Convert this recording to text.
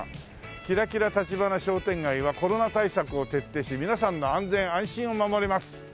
「キラキラ橘商店街はコロナ対策を徹底し皆さんの安全・安心を守ります！」